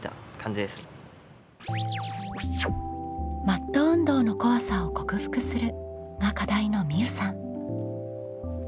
「マット運動の怖さを克服する」が課題のみうさん。